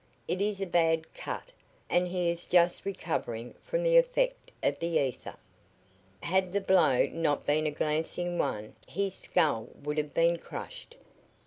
"It is a bad cut, and he is just recovering from the effect of the ether. Had the blow not been a glancing one his skull would have been crushed.